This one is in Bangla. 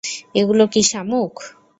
এগুলো কি শামুক?